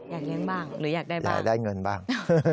อยากเลี้ยงบ้างหรืออยากได้บ้างอยากได้เงินบ้าง